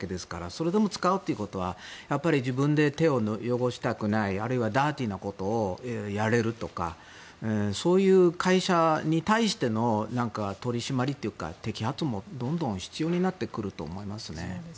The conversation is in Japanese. それでも使うってことは自分で手を汚したくないあるいはダーティーなことをやれるとかそういう会社に対しての取り締まりというか摘発もどんどん必要になってくると思いますね。